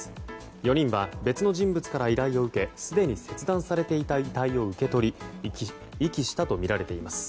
４人は別の人物から依頼を受けすでに切断されていた遺体を受け取り遺棄したとみられています。